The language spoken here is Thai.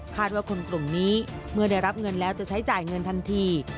ว่าคนกลุ่มนี้เมื่อได้รับเงินแล้วจะใช้จ่ายเงินทันที